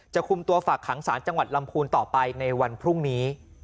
คุมตัวฝากขังสารจังหวัดลำพูนต่อไปในวันพรุ่งนี้